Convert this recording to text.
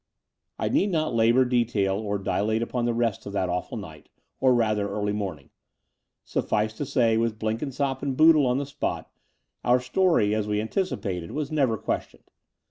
I need not labour detail or dilate upon the rest of that awful night, or rather early morning. SuflSce to say, with Blenkinsopp and Boodle on the spot, our story, as we had anticipated, was never ques tioned.